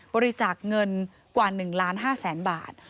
บริจาคเงินกว่า๑๕๐๐๐๐บาท